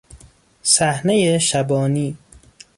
صحنهی شبانی